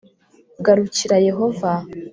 Garukira Yehova